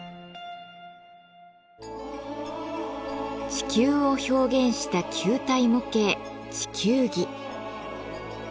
地球を表現した球体模型地球儀。